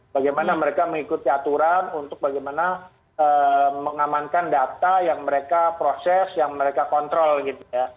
bagaimana mereka mengikuti aturan untuk bagaimana mengamankan data yang mereka proses yang mereka kontrol gitu ya